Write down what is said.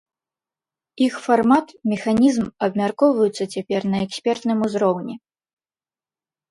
Іх фармат, механізм абмяркоўваюцца цяпер на экспертным узроўні.